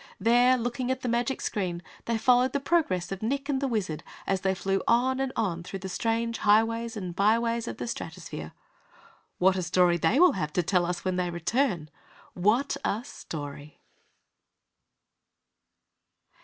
There, looking at the magic screen, they followed the progress of Nick and the Wizard as they flew on and on through the strange Highways and Byways of the Stratosphere. What a story they will have to tell us when they return.... WHAT a story!